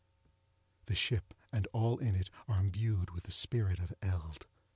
The ship and all in it are imbued with the spirit of Eld.